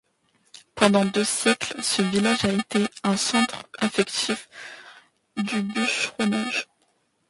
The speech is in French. Pendant deux siècles, ce village a été un centre actif du bûcheronnage.